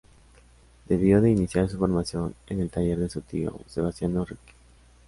Debió de iniciar su formación en el taller de su tío, Sebastiano Ricci.